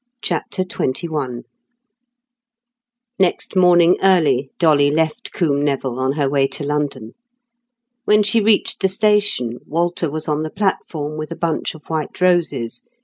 CHAPTER XXI Next morning early, Dolly left Combe Neville on her way to London. When she reached the station, Walter was on the platform with a bunch of white roses.